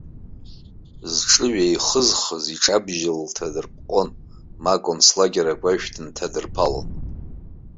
Зҿы ҩеихызхыз иҿы абџьар лҭадырпҟон, ма аконцлагер агәашә дынҭадырԥалон.